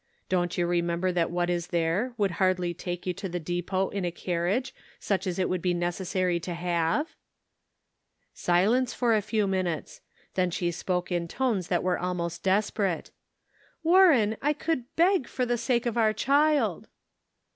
Don't you remember that what is there would hardly take you to the depot in a carriage such as it would be necessary to have?" .' Silence for a few minutes ; then she spoke in tones that were almost desperate : "Warren, I could leg for the sake of our child."